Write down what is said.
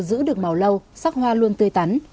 giữ được màu lâu sắc hoa luôn tươi tắn